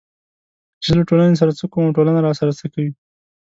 چې زه له ټولنې سره څه کوم او ټولنه راسره څه کوي